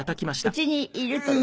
うちにいると。